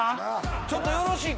ちょっとよろしいか？